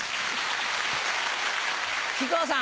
木久扇さん。